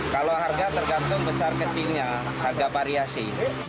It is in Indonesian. kalau harga tergantung besar ke tinggi harga variasi